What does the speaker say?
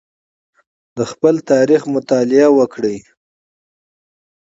د خپل تاریخ مطالعه وکړئ.